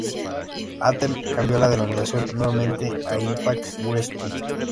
Anthem cambió la denominación nuevamente a Impact Wrestling.